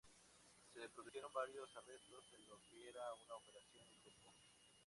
Se produjeron varios arrestos en lo que era una operación en grupo.